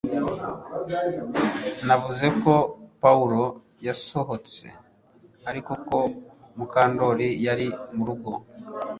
Navuze ko Pawulo yasohotse ariko ko Mukandoli yari murugo